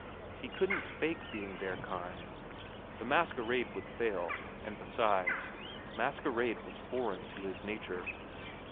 He couldn't fake being their kind. The masquerade would fail, and besides, masquerade was foreign to his nature.